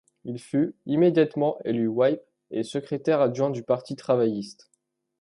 Il fut immédiatement élu whip et secrétaire adjoint du Parti travailliste.